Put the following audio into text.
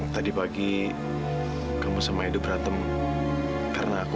tadi pagi kamu sama edo beratem karena aku